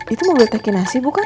itu mobil tekinasi bukan